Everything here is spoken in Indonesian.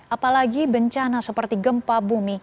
apalagi bencana seperti gempa bumi